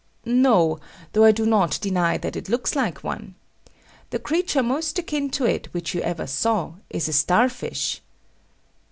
No; though I do not deny that it looks like one. The creature most akin to it which you ever saw is a star fish.